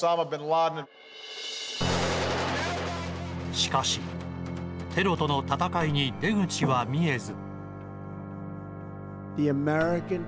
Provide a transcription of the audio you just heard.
しかしテロとの戦いに出口は見えず。